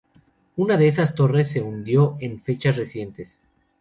Una de esas torres se hundió en fechas recientes.